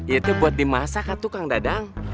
itu buat dimasak tuh kang dadang